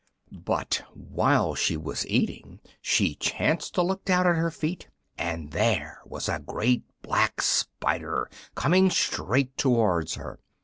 But while she was eating she chanced to look down at her feet, and there was a great black spider coming straight towards her.